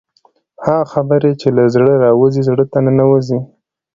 هغه خبرې چې له زړه راوځي زړه ته ننوځي.